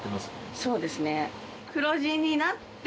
そうですね。